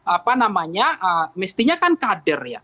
apa namanya mestinya kan kader ya